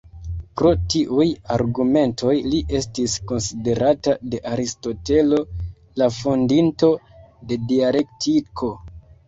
Pro tiuj argumentoj li estis konsiderata de Aristotelo la fondinto de dialektiko.